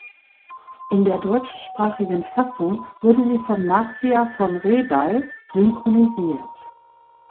In der deutschsprachigen Fassung wurde sie von Marcia von Rebay synchronisiert.